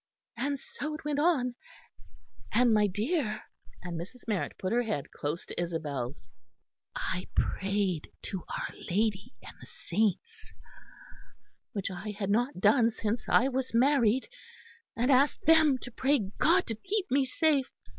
And so it went on and, my dear " and Mrs. Marrett put her head close to Isabel's "I prayed to our Lady and the saints, which I had not done since I was married; and asked them to pray God to keep me safe.